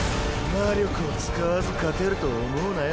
魔力を使わず勝てると思うなよ